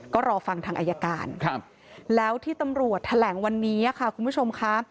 ก็รอฟังทางอายการแล้วที่ตำรวจแถลงวันนี้ค่ะคุณผู้ชมค่ะ